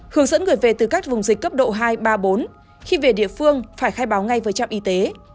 hướng dẫn người về từ các vùng dịch cấp độ hai ba bốn khi về địa phương phải khai báo ngay với trạm y tế